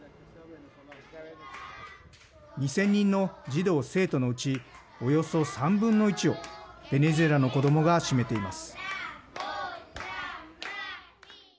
２０００人の児童、生徒のうちおよそ３分の１をベネズエラの子どもが占めています。